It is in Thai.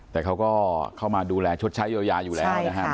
แต่เขาก็เข้ามาดูแลชดใช้อยู่แล้ว